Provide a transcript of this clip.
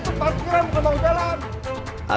eh itu parkiran bukan bangun jalan